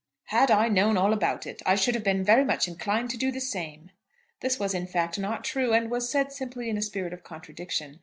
"Had I known all about it, I should have been very much inclined to do the same." This was, in fact, not true, and was said simply in a spirit of contradiction.